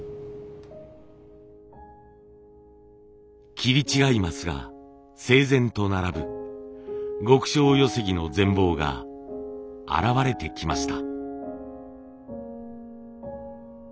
切り違い枡が整然と並ぶ極小寄木の全貌が現れてきました。